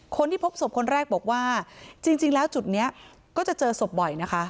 คนที่พบศพคนแรกบอกว่าจริงแล้วจุดนี้ก็จะเจอศพบ่อยนะคะ